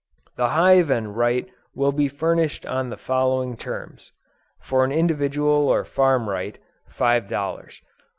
The hive and right will be furnished on the following terms. For an individual or farm right, five dollars.